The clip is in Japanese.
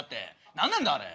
何なんだあれ。